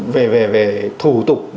về về về thủ tục